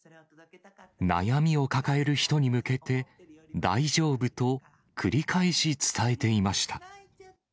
悩みを抱える人に向けて、大丈夫と、繰り返し伝えていました。